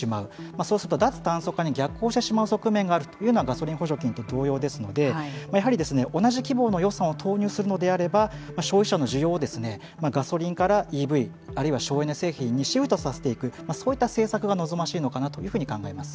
そうすると脱炭素化に逆行してしまう側面があるというのはガソリン補助金と同様ですのでやはり予算を投入するのであれば消費者の需要をガソリンからＥＶあるいは省エネ製品にシフトさせていくそういった政策が望ましいのかなというふうに考えます。